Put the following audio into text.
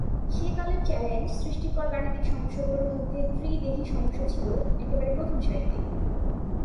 সেকালের চ্যালেঞ্জ সৃষ্টিকর গাণিতিক সমস্যাগুলোর মধ্যে ত্রি-দেহী সমস্যা ছিল একেবারে প্রথম সারিতে।